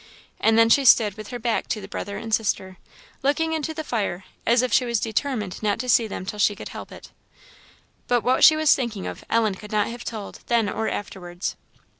And then she stood with her back to the brother and sister, looking into the fire, as if she was determined not to see them till she couldn't help it. But what she was thinking of, Ellen could not have told, then or afterwards.